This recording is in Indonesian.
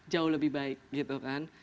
jauh lebih baik gitu kan